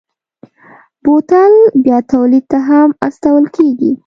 بوتل بیا تولید ته هم استول کېږي.